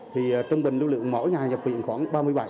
thì trung bình lưu lượng mỗi ngày nhập viện khoảng ba mươi bảy